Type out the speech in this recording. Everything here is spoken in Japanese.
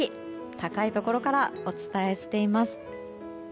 高いところからお伝えしています。